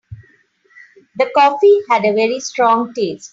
The coffee had a very strong taste.